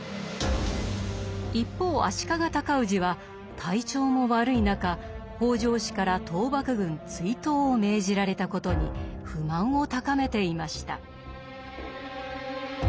一方足利高氏は体調も悪い中北条氏から討幕軍追討を命じられたことに不満を高めていました。